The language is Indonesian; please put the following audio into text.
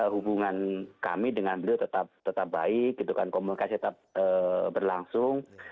hubungan kami dengan beliau tetap baik komunikasi tetap berlangsung